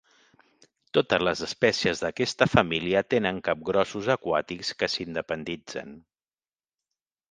Totes les espècies d'aquesta família tenen capgrossos aquàtics que s'independitzen.